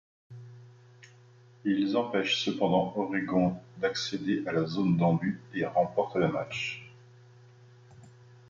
Ils empêchent cependant Oregon d'accéder à la zone d'en-but et remportent le match.